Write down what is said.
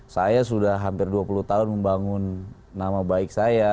saya sudah hampir dua puluh tahun membangun nama baik saya